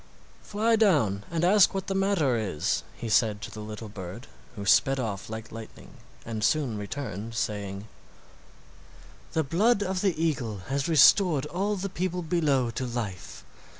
"Fly down and ask what the matter is," he said to the little bird, who sped off like lightning and soon returned saying: "The blood of the eagle has restored all the people below to life.